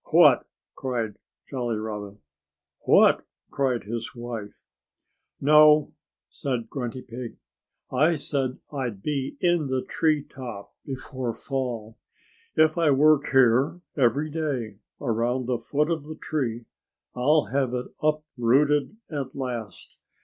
"What?" cried Jolly Robin. "What?" cried his wife. "No!" said Grunty Pig. "I said I'd be in the tree top before fall. If I work here every day around the foot of the tree I'll have it uprooted at last.